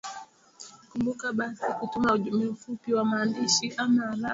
kumbuka basi kutuma ujumbe mfupi wa maandishi ama arafa